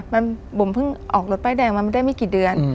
ผมพึ่งออกรถแป้แดงมาไม่ได้ไม่กี่เดือน